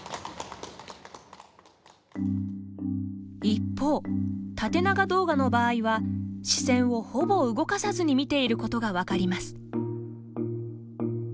一方、縦長動画の場合は視線をほぼ動かさずに見ていることが分かります。